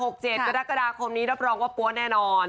๕๖๗กรกฎาคมนี้รับรองว่าปว๊ะแน่นอน